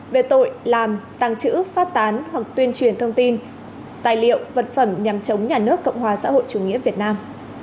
về tội làm tăng trữ phát tán hoặc tuyên truyền thông tin tài liệu vật phẩm nhằm chống nhà nước cộng hòa xã hội chủ nghĩa việt nam